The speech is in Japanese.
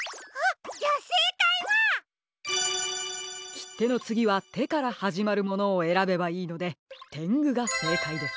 きってのつぎは「て」からはじまるものをえらべばいいのでてんぐがせいかいです。